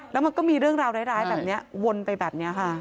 แล้วมันก็มีเรื่องราวร้ายแบบนี้วนไปแบบนี้ค่ะ